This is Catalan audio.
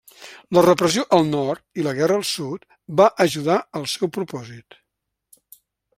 La repressió al nord i la guerra al sud va ajudar al seu propòsit.